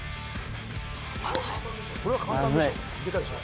これは簡単でしょ。